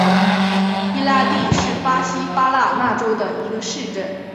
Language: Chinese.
伊拉蒂是巴西巴拉那州的一个市镇。